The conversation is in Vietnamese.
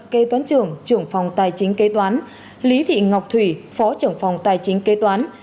kê toán trưởng trưởng phòng tài chính kê toán lý thị ngọc thủy phó trưởng phòng tài chính kê toán